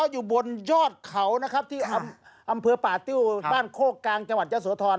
อย่างไม่เคย